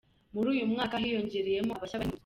Muri uyu mwaka hiyongereyemo abashya barimo inzu.